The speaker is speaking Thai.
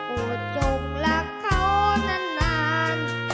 วดจงรักเขานาน